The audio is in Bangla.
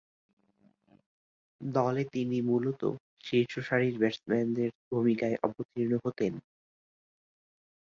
দলে তিনি মূলতঃ শীর্ষসারির ব্যাটসম্যানের ভূমিকায় অবতীর্ণ হতেন।